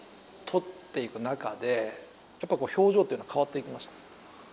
撮っていく中でやっぱり表情というのは変わっていきましたか。